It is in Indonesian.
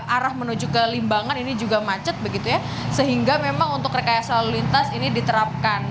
arah menuju ke limbangan ini juga macet begitu ya sehingga memang untuk rekayasa lalu lintas ini diterapkan